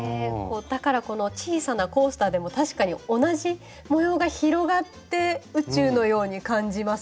だからこの小さなコースターでも確かに同じ模様が広がって宇宙のように感じますね。